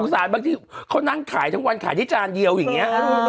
ไม่ก็สงสารเขานั่งขายทั้งวันขายที่จานเดียวอย่างนี้